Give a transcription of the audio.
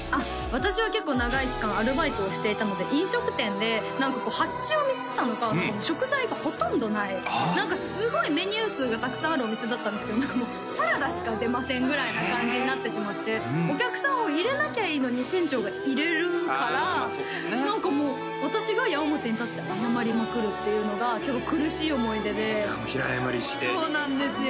私は結構長い期間アルバイトをしていたので飲食店で何か発注をミスったのか食材がほとんどないすごいメニュー数がたくさんあるお店だったんですけどサラダしか出ませんぐらいな感じになってしまってお客さんを入れなきゃいいのに店長が入れるから何かもう私が矢面に立って謝りまくるっていうのが結構苦しい思い出で平謝りしてそうなんですよ